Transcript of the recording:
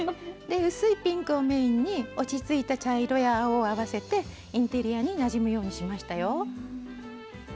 薄いピンクをメインに落ち着いた茶色や青を合わせてインテリアになじむようにしましたよ。